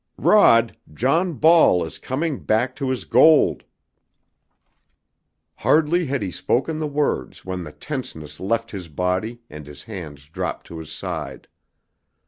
"Rod, John Ball is coming back to his gold!" Hardly had he spoken the words when the tenseness left his body and his hands dropped to his side.